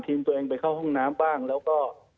ตัวเองไปเข้าห้องน้ำบ้างแล้วก็